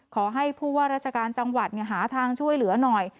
ขอให้ผู้ว่าราชการจังหวัดหาทางช่วยเหลือหน่อย